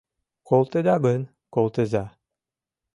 Колтеда гын, колтыза